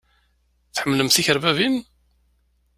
Tḥemmlem tikerbabin?